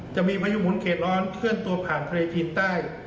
พายุหมุนเขตร้อนเคลื่อนตัวผ่านทะเลจีนใต้